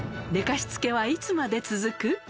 寝かしつけはいつまで続く？